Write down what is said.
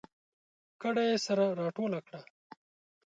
کډه یې سره راټوله کړه